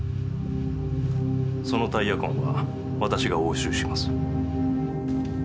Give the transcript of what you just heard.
そのタイヤ痕は私が押収します。